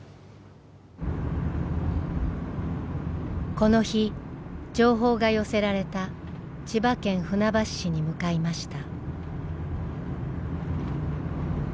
この日情報が寄せられた千葉県船橋市に向かいました。